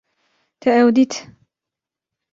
Te ew dît